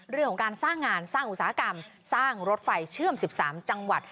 เรื่องของการสร้างงานสร้างอุตสาหกรรมสร้างรถไฟเชื่อม๑๓จังหวัด